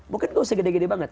bukan gak usah gede gede banget